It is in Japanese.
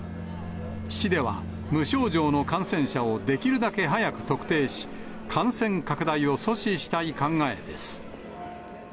市では、無症状の感染者をできるだけ早く特定し、感染拡大を阻止したい考えです。